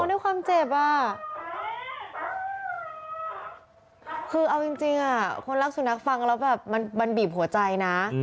มันร้องด้วยความเจ็บอ่ะคือเอาจริงอ่ะคนรักสู่นักฟังแล้วมันบีบหัวใจนะ